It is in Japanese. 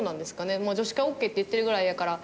女子会オッケーって言ってるぐらいやから。